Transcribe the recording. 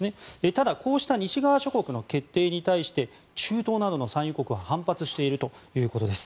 ただ、こうした西側諸国の決定に対して中東などの産油国は反発しているということです。